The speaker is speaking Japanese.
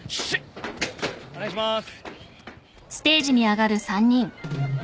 ・お願いします。